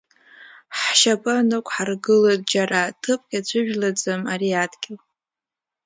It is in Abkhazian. Ҳшьапы нықәҳаргылоит џьара ҭыԥк иацәыжәлаӡам ари адгьыл.